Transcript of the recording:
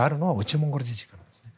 モンゴル自治区なんですね。